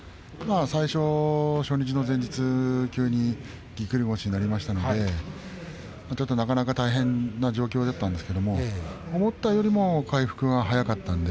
初日の前日にぎっくり腰になりましたのでなかなか大変な状況だったんですけど、思ったよりも回復が早くて。